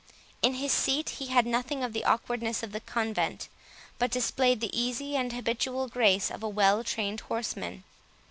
In his seat he had nothing of the awkwardness of the convent, but displayed the easy and habitual grace of a well trained horseman.